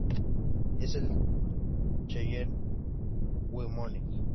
Él es de Cheyenne, Wyoming.